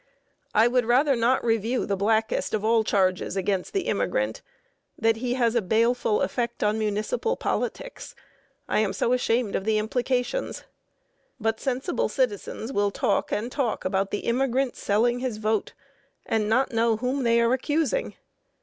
I would rather not review the blackest of all charges against the immigrant, that he has a baleful effect on municipal politics: I am so ashamed of the implications. But sensible citizens will talk and talk about the immigrant selling his vote, and not know whom they are accusing.